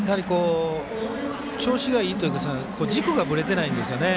調子がいいと軸がぶれてないんですよね。